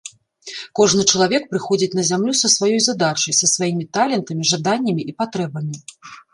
Кожны чалавек прыходзіць на зямлю са сваёй задачай, са сваімі талентамі, жаданнямі і патрэбамі.